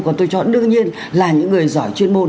còn tôi chọn đương nhiên là những người giỏi chuyên môn